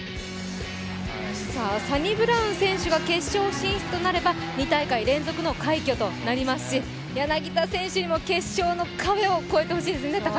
サニブラウン選手が決勝進出となれば２大会連続の快挙となりますし柳田選手にも決勝の壁を越えてほしいですね。